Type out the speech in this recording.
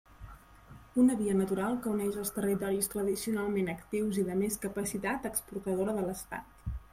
Una via natural que uneix els territoris tradicionalment actius i de més capacitat exportadora de l'Estat.